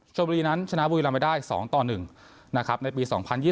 บุรีนั้นชนะบุรีรำไปได้๒ต่อ๑นะครับในปี๒๐๒๐